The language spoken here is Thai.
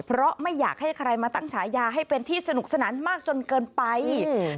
เพราะไม่อยากให้ใครมาตั้งฉายาให้เป็นที่สนุกสนานมากจนเกินไปอืม